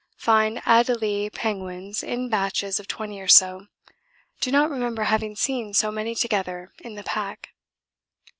Find Adélie penguins in batches of twenty or so. Do not remember having seen so many together in the pack.